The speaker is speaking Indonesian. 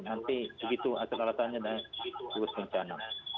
nanti begitu asal alasannya dari bukit tugas bencana